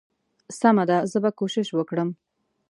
سمه ده زه به کوشش وکړم.